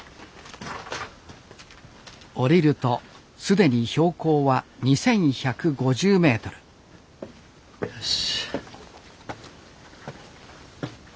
降りると既に標高は２，１５０ｍよし。